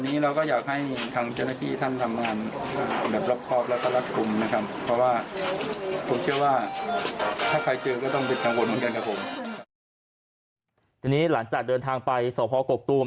เพราะว่าผมเชื่อว่าถ้าใครเชื่อก็ต้องเป็นกังวลเหมือนกันกับผม